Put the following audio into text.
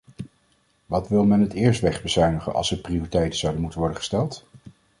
Wat wil men het eerst wegbezuinigen als er prioriteiten zouden moeten worden gesteld?